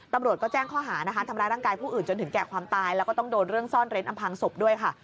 ตำรวจก็แจ้งข้อหานะคะทำร้ายร่างกายผู้อื่นจนถึงแก่ความตายแล้วก็ต้องโดนเรื่องซ่อนเร้นอำพังศพด้วยค่ะ